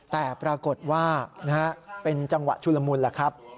แต่ปรากฏว่าเป็นจังหวะชุลมุนแหละครับ